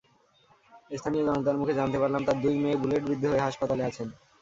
স্থানীয় জনতার মুখে জানতে পারলাম, তাঁর দুই মেয়ে বুলেটবিদ্ধ হয়ে হাসপাতালে আছেন।